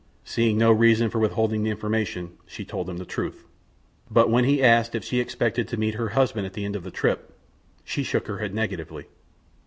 Seeing no reason for withholding the information, she told him the truth; but when he asked if she expected to meet her husband at the end of the trip, she shook her head negatively.